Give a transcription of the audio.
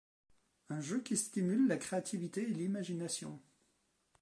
Un jeu qui stimule la créativité et l'imagination.